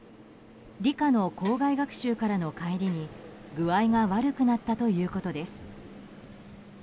理科の校外学習からの帰りに具合が悪くなったということです。